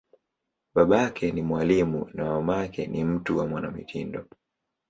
Babake ni mwalimu, na mamake ni mtu wa mwanamitindo.